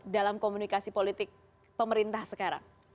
dalam komunikasi politik pemerintah sekarang